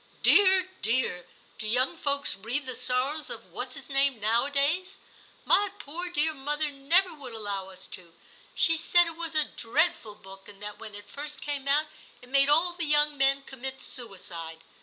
* Dear, dear, do young folks read the sorrows of What's his name nowadays } My poor dear mother never would allow us to. She said it was a dreadful book, and that when it first came out it made all the young men commit suicide.